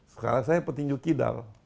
sekarang saya petinju kidal